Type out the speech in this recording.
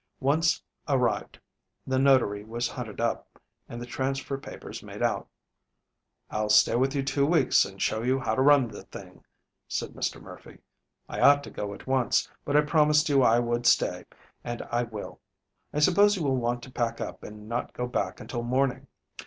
Once arrived, the notary was hunted up, and the transfer papers made out. "I'll stay with you two weeks and show you how to run the thing," said Mr. Murphy. "I ought to go at once, but I promised you I would stay, and I will. I suppose you will want to pack up and not go back until morning.